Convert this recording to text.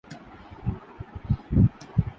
۔ یہ پکنک ، سیاحت وغیرہ پرلے جانے کے لئے بہترین ہے۔